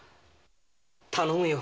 頼むよ。